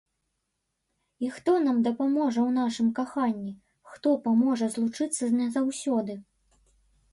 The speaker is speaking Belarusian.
І хто нам дапаможа ў нашым каханні, хто паможа злучыцца назаўсёды?